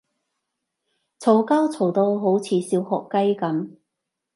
嘈交嘈到好似小學雞噉